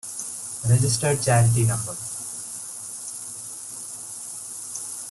Registered charity no.